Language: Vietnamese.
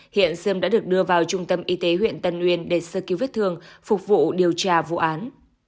hiện sươm đã được đưa vào trung tâm y tế huyện tân uyên để sơ cứu vết thương phục vụ điều tra vụ án